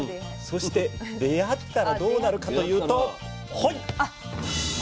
そして出会ったらどうなるかというとハイ！